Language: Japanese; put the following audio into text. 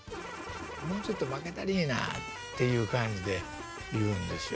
「もうちょっとまけたりいな」っていう感じで言うんですよ。